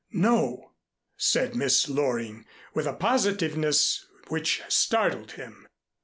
"No," said Miss Loring, with a positiveness which startled him.